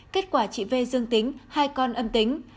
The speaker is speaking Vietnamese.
kết quả chị v dương tính hai con âm tính